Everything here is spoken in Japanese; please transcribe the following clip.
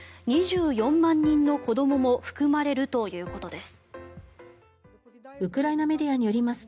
２４万人の子どもも含まれるということです。